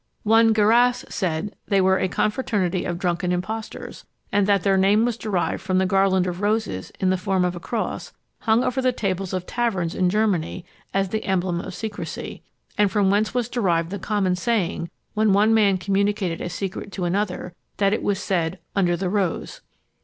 One Garasse said they were a confraternity of drunken impostors; and that their name was derived from the garland of roses, in the form of a cross, hung over the tables of taverns in Germany as the emblem of secrecy, and from whence was derived the common saying, when one man communicated a secret to another, that it was said "under the rose."